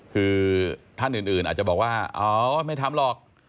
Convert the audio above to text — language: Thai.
คือท่านอื่นอาจจะบอกว่าอ๋อไม่ทำหรอก